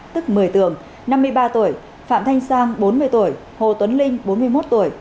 tức một mươi tường năm mươi ba tuổi phạm thanh sang bốn mươi tuổi hồ tuấn linh bốn mươi một tuổi